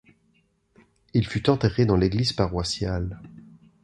Il fut enterré dans l'église paroissiale.